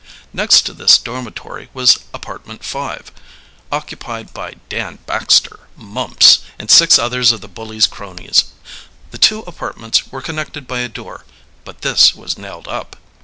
Next to this dormitory was apartment five, occupied by Dan Baxter, Mumps, and six others of the bully's cronies. The two apartments were connected by a door, but this was nailed up.